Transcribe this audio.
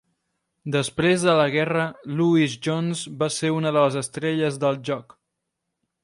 Després de la guerra, Lewis Jones va ser una de les estrelles del joc.